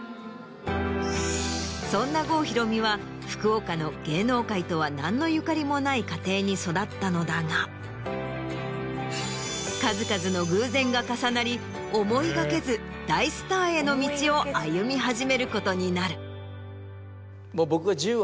そんな郷ひろみは福岡の芸能界とは何のゆかりもない家庭に育ったのだが数々の。の道を歩み始めることになる。